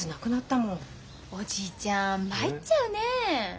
おじいちゃん参っちゃうねえ。